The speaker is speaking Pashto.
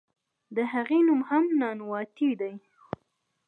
د هغې نوم هم "ننواتې" دے.